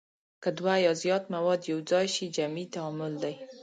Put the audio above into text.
که دوه یا زیات مواد یو ځای شي جمعي تعامل دی.